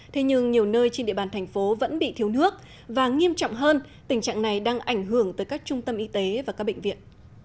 thế nhưng nhiều nơi trên địa bàn thành phố vẫn bị thiếu nước và nghiêm trọng hơn tình trạng này đang ảnh hưởng tới các trung tâm y tế và các bệnh viện